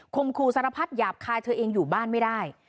ครูสารพัดหยาบคายเธอเองอยู่บ้านไม่ได้